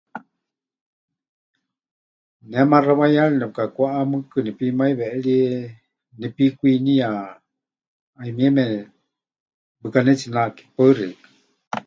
Ne maxa waiyari nepɨkakwáʼa, mɨɨkɨ nepimaiweʼerie, nepikwiniya, ˀayumieme pɨkanetsinake. Paɨ xeikɨ́a.